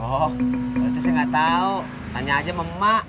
oh berarti saya gak tau tanya aja sama mak